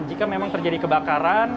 jika memang terjadi kebakaran